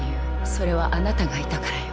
それはあなたがいたからよ。